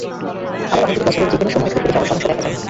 আবার অনেকেরই বছরের যেকোনো সময় ঠোঁট ফেটে যাওয়ার সমস্যা দেখা দেয়।